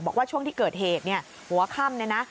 บอกว่าช่วงที่เกิดเหตุเนี่ยหัวค่ำเนี่ยนะ